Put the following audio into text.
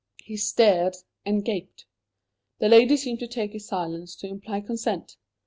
He stared and gaped. The lady seemed to take his silence to imply consent.